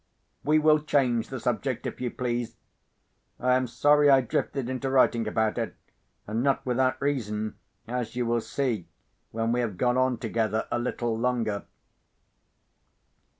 We will change the subject, if you please. I am sorry I drifted into writing about it; and not without reason, as you will see when we have gone on together a little longer.